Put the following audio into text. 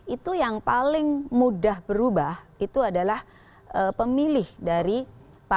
itu yang paling mudah berubah itu adalah pemilih dari partai